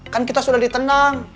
kan kita sudah ditenang